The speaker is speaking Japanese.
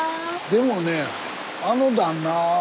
でもねあの旦那